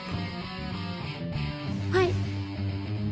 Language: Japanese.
はい。